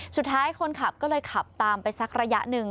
คนขับก็เลยขับตามไปสักระยะหนึ่ง